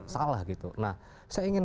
salah gitu nah saya ingin